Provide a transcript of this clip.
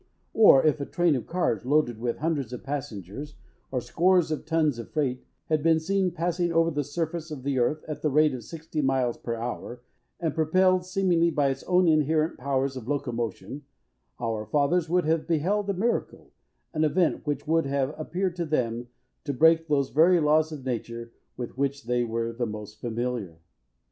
Or if a train of cars, loaded with hundreds of passengers, or scores of tons of freight, had been seen passing over the surface of the earth, at the rate of sixty miles per hour, and propelled, seemingly, by its own inherent powers of locomotion, our fathers would have beheld a miracle an event which would have appeared, to them, to break those very laws of nature with which they were the most familiar.